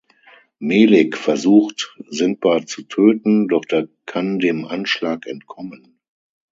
Melik versucht, Sindbad zu töten, doch der kann dem Anschlag entkommen.